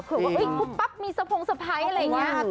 คือว่าปุ๊บปั๊บมีสะพงสะพ้ายอะไรอย่างนี้